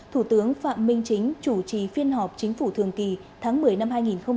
thủ tướng phạm minh chính chủ trì phiên họp chính phủ thường kỳ tháng một mươi năm hai nghìn hai mươi